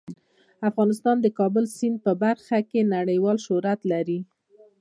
افغانستان د د کابل سیند په برخه کې نړیوال شهرت لري.